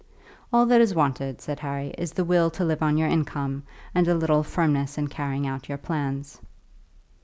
"All that is wanted," said Harry, "is the will to live on your income, and a little firmness in carrying out your plans."